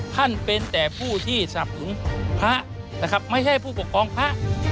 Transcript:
ท่านเป็นแต่ผู้ที่สนับหนุนพระนะครับไม่ใช่ผู้ปกครองพระ